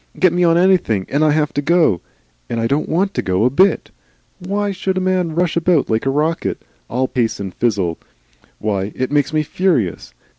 Get me on anything, and I have to go. And I don't want to go a bit. WHY should a man rush about like a rocket, all pace and fizzle? Why? It makes me furious.